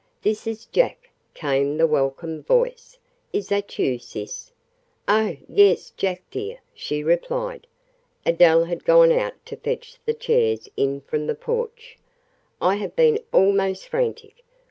"This is Jack," came the welcome voice. "Is that you, sis?" "Oh, yes, Jack, dear!" she replied. Adele had gone out to fetch the chairs in from the porch. "I have been almost frantic.